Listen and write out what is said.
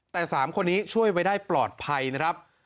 แต่๓คนนี้ช่วยไว้ได้ปลอดภัยนะครับ